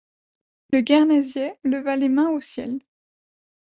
Le guernesiais leva les mains au ciel.